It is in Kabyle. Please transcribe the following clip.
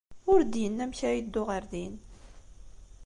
Ur d-yenni amek ara yeddu ɣer din.